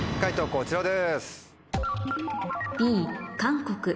こちらです。